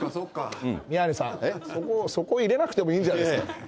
宮根さん、そこを入れなくてもいいんじゃないですか。